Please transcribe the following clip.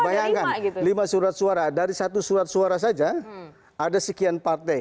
bayangkan lima surat suara dari satu surat suara saja ada sekian partai